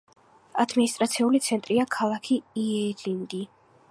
ადმინისტრაციული ცენტრია ქალაქი იერინგი.